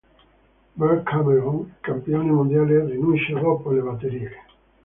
Bert Cameron, il campione mondiale, rinuncia dopo le batterie.